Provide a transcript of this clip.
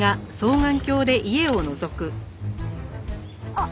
あっ！